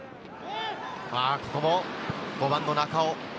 ここも５番の中尾。